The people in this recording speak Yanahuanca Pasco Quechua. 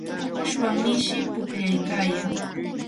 ukushwan mishi pukllaykayan.